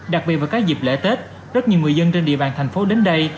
đặc biệt vào các dịp lễ tết rất nhiều người dân trên địa bàn thành phố đến đây